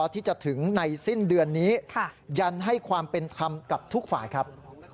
ที่จะถึงในสิ้นเดือนนี้ยันให้ความเป็นธรรมกับทุกฝ่ายครับ